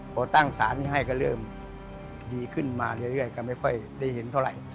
พอตั้งศาลนี้ให้ก็เริ่มดีขึ้นมาเรื่อยก็ไม่ค่อยได้เห็นเท่าไหร่